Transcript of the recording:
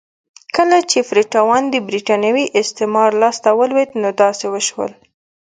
کله چې فري ټاون د برېټانوي استعمار لاس ته ولوېد نو داسې وشول.